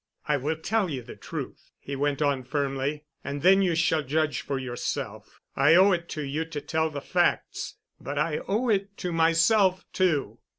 "I will tell you the truth," he went on firmly. "And then you shall judge for yourself. I owe it to you to tell the facts, but I owe it to myself, too."